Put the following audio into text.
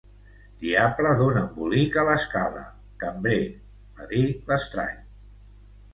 "Diable d'un embolic a l'escala, cambrer", va dir l'estrany.